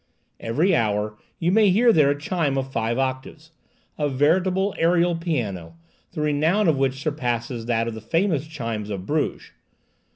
Every hour you may hear there a chime of five octaves, a veritable aerial piano, the renown of which surpasses that of the famous chimes of Bruges.